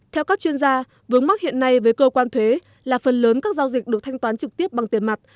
theo các chuyên gia vướng mắc hiện nay với cơ quan thuế là phần lớn các giao dịch được thanh toán trực tiếp bằng tiền mặt